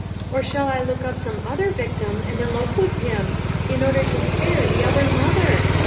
Or shall I look up some other victim and elope with him, in order to spare the other mother?